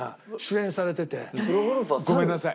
ごめんなさい。